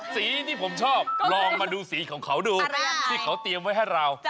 สีที่ผมชอบลองมาดูสีของเขาดูที่เขาเตรียมไว้ให้เรา